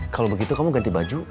kalau begitu kamu ganti baju